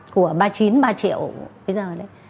của ba chín ba triệu bây giờ đấy